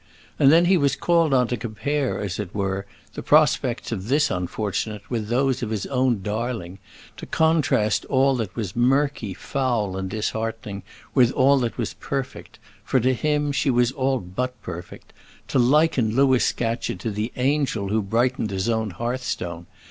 And then he was called on to compare, as it were, the prospects of this unfortunate with those of his own darling; to contrast all that was murky, foul, and disheartening, with all that was perfect for to him she was all but perfect; to liken Louis Scatcherd to the angel who brightened his own hearthstone.